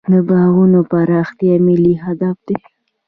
د باغونو پراختیا ملي هدف دی.